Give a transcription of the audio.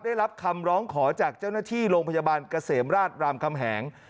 ได้รับคำร้องขอจากเจ้าหน้าที่โรงพยาบาลเกษมราชรามคำแหง